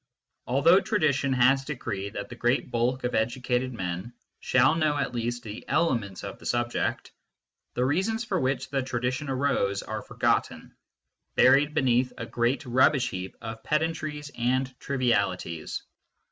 Although tradition has decreed that the great bulk of educated men shall know at least the elements of the subject, the reasons for which the tradition arose are forgotten, buried beneath a great rubbish heap of pedantries and trivialities.